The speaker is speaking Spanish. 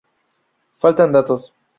Faltan datos.